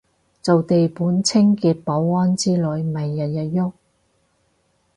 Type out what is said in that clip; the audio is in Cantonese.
做地盤清潔保安之類咪日日郁